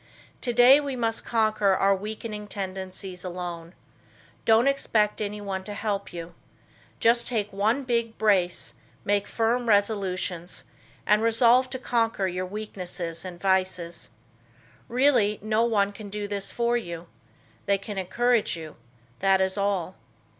Today we must conquer our weakening tendencies alone. Don't expect anyone to help you. Just take one big brace, make firm resolutions, and resolve to conquer your weaknesses and vices. Really none can do this for you. They can encourage you; that is all.